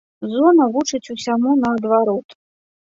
Зона вучыць усяму наадварот.